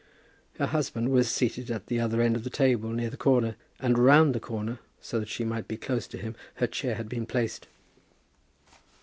Her husband was seated at the other end of the table, near the corner, and round the corner, so that she might be close to him, her chair had been placed.